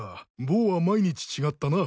ボーは毎日違ったな。